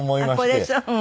これそう？